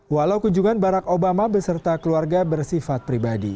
walau kunjungan barack obama beserta keluarga bersifat pribadi